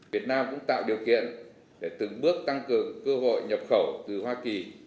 việt nam cũng tạo điều kiện để từng bước tăng cường cơ hội nhập khẩu từ hoa kỳ